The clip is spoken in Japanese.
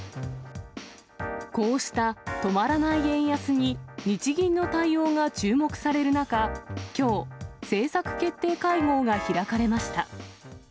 こうした止まらない円安に、日銀の対応が注目される中、きょう、政策決定会合が開かれました。